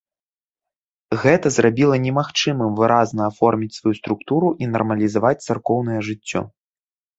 Гэта зрабіла немагчымым выразна аформіць сваю структуру і нармалізаваць царкоўнае жыццё.